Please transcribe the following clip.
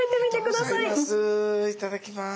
いただきます。